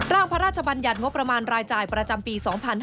พระราชบัญญัติงบประมาณรายจ่ายประจำปี๒๕๕๙